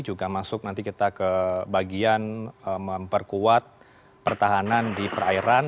juga masuk nanti kita ke bagian memperkuat pertahanan di perairan